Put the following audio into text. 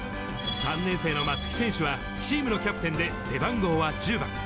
３年生の松木選手は、チームのキャプテンで背番号は１０番。